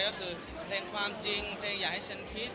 ก็คือเพลงความจริงเพลงอยากให้ฉันคิด